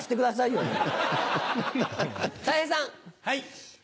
はい。